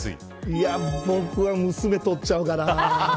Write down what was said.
僕は娘、とっちゃうかな。